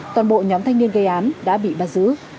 toàn bộ nhóm thanh niên gây án đã bị bắt giữ